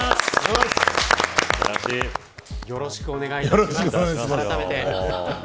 よろしくお願いします。